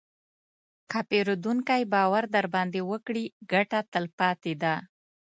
که پیرودونکی باور درباندې وکړي، ګټه تلپاتې ده.